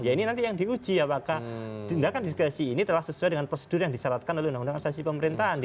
ya ini nanti yang diuji apakah tindakan diskresi ini telah sesuai dengan prosedur yang disyaratkan oleh undang undang asasi pemerintahan